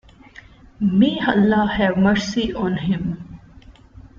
May Allah have mercy on him.